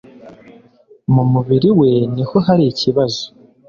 Mu mubiri we niho hari ikibazo